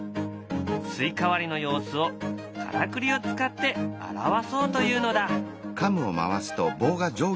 スイカ割りの様子をからくりを使って表そうというのだ。